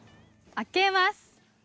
開けます。